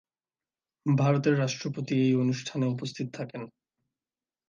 ভারতের রাষ্ট্রপতি এই অনুষ্ঠানে উপস্থিত থাকেন।